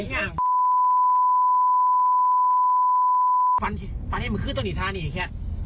เป็นเกสนิทานี